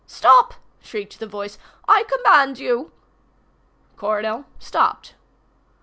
"Stop!" shrieked the voice. "I command you!" Coronel stopped.